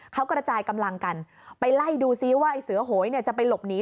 เขากระจายกำลังกันไปไล่ดูซิว่าไอเสือโหยจะไปหลบหนี